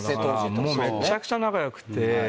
もうめっちゃくちゃ仲良くて。